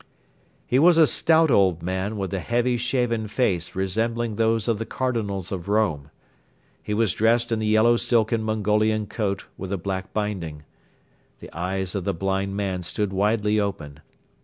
He was a stout old man with a heavy shaven face resembling those of the Cardinals of Rome. He was dressed in the yellow silken Mongolian coat with a black binding. The eyes of the blind man stood widely open.